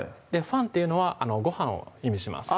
飯っていうのはご飯を意味します